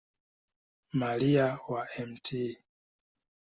Maria wa Mt.